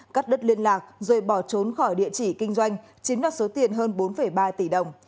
cắt đất liên lạc rồi bỏ trốn khỏi địa chỉ kinh doanh chiếm đoạt số tiền hơn bốn ba tỷ đồng